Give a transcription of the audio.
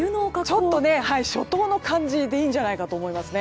ちょっと初冬の感じでいいんじゃないかと思います。